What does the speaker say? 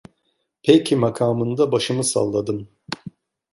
Peki makamında başımı salladım.